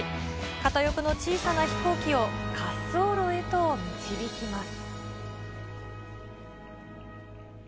片翼の小さな飛行機を滑走路へと導きます。